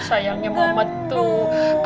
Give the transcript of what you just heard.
sayangnya ma tuh